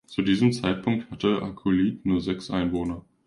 Zu diesem Zeitpunkt hatte Akulliit nur sechs Einwohner.